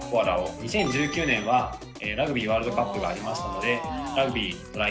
２０１９年はラグビーワールドカップがありましたのでラグビートライ